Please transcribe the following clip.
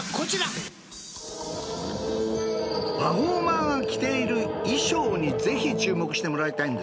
パフォーマーが着ている衣装にぜひ注目してもらいたいんですね。